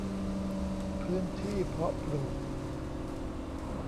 พื้นที่เพาะปลูก